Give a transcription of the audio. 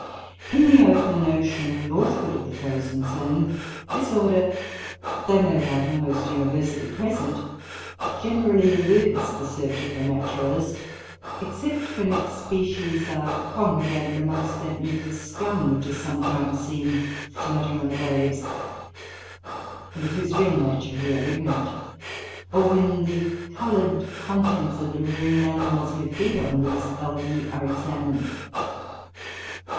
In the open ocean, northward of the frozen zone, this order, though no doubt almost universally present, generally eludes the search of the naturalist; except when its species are congregated amongst that mucous scum which is sometimes seen floating on the waves, and of whose real nature we are ignorant; or when the coloured contents of the marine animals who feed on these Algae are examined.